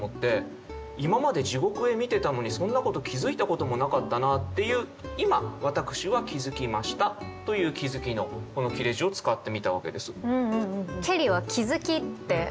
今まで地獄絵見てたのにそんなこと気づいたこともなかったなっていう今私は気づきましたという気づきのこの切れ字を使ってみたわけです。